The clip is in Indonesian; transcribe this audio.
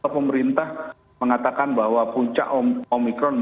pemerintah mengatakan bahwa puncak omikron